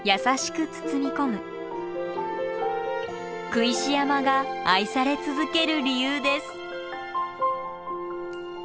工石山が愛され続ける理由です。